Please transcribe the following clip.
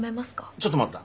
ちょっと待った。